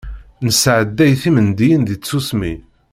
Nesɛedday timeddiyin di tsusmi.